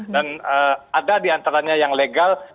dan ada di antaranya yang legal